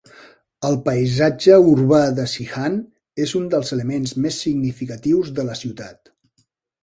El paisatge urbà de Zeehan és un dels elements més significatius de la ciutat.